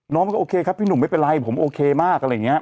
น้องก็โอเคครับพี่หนุ่มไม่เป็นไรผมโอเคมากอะไรอย่างนี้